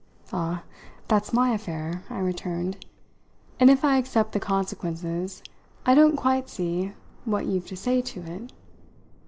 "Ah, that's my affair," I returned, "and if I accept the consequences I don't quite see what you've to say to it.